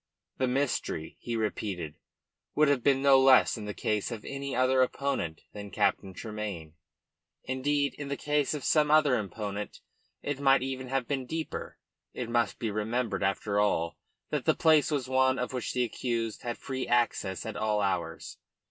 The mystery, he repeated, would have been no less in the case of any other opponent than Captain Tremayne; indeed, in the case of some other opponent it might even have been deeper. It must be remembered, after all, that the place was one to which the accused had free access at all hours.